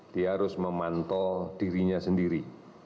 dia harus memantau dirinya sendiri